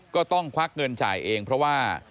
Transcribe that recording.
ก็ต้องควักเงินจ่ายเองเพราะว่า